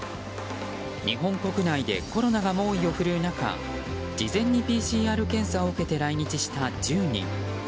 日本国内でコロナが猛威を振るう中事前にＰＣＲ検査を受けて来日した１０人。